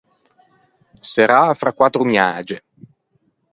Serrâ fra quattro miage.